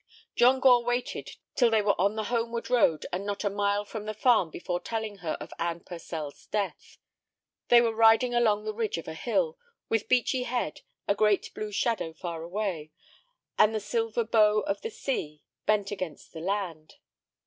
John Gore waited till they were on the homeward road and not a mile from the farm before telling her of Anne Purcell's death. They were riding along the ridge of a hill, with Beechy Head a great blue shadow far away, and the silver bow of the sea bent against the land.